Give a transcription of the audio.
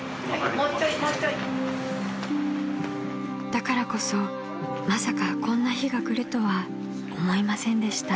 ［だからこそまさかこんな日が来るとは思いませんでした］